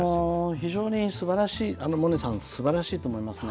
非常にすばらしい、萌音さん、すばらしいと思いますね。